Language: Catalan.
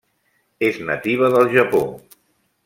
És nativa del Japó.